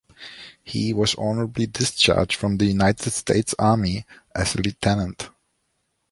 He was honorably discharged from the United States Army as a lieutenant.